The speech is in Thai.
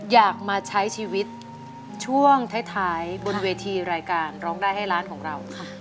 อยากมาใช้ชีวิตช่วงท้ายบนเวทีรายการร้องได้ให้ร้านของเรา